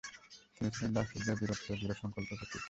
তিনি ছিলেন রাজপুতদের বীরত্ব ও দৃঢ় সংকল্পের প্রতীক।